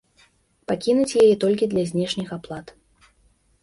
Пакінуць яе толькі для знешніх аплат.